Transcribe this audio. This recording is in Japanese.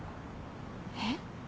えっ？